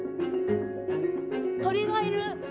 鳥がいる！